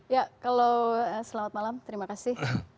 ya kalau selamat malam terima kasih